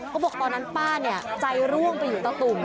บอกตอนนั้นป้าใจร่วงไปอยู่ตะตุ่ม